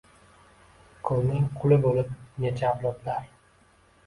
Qulning quli boʻlib necha avlodlar